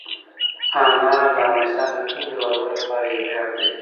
انار د افغانستان د ټولو هیوادوالو لپاره یو ویاړ دی.